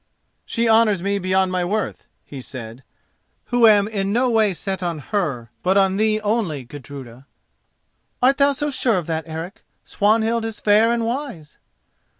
"She honours me beyond my worth," he said, "who am in no way set on her, but on thee only, Gudruda." "Art thou so sure of that, Eric? Swanhild is fair and wise."